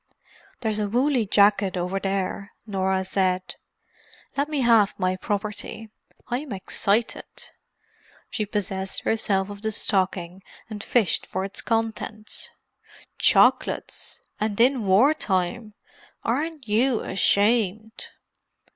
"There's a woolly jacket over there," Norah said. "Let me have my property—I'm excited." She possessed herself of the stocking and fished for its contents. "Chocolates!—and in war time! Aren't you ashamed?"